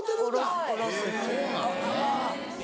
そうなんだね。